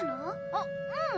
あっううん。